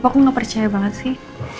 apa aku gak percaya banget sih